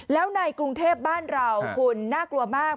แล้วในกรุงเทพบ้านเราคุณน่ากลัวมาก